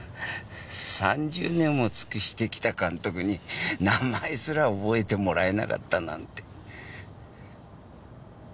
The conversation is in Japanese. ３０年も尽くしてきた監督に名前すら覚えてもらえなかったなんて。